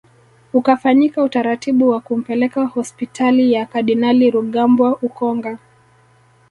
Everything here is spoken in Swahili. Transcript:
Ukafanyika utaratibu wa kumpeleka hospitali ya kardinali Rugambwa ukonga